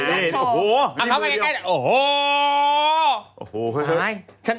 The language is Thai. เอาเข้ามาใกล้โอ้โห